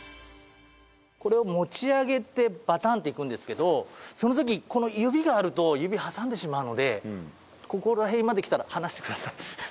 これを持ち上げてバタンっていくんですけどその時この指があると指挟んでしまうのでここら辺まできたら放してください。